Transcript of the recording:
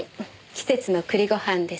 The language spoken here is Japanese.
季節の栗ご飯です。